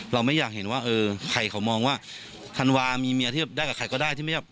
เราไม่อยากเห็นว่าเออใครเขามองว่าธันวามีเมียที่ได้กับใครก็ได้ที่ไม่อยาก